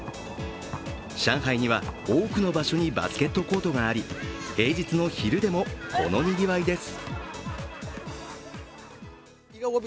上海には多くの場所にバスケットコートがあり平日の昼でも、このにぎわいです。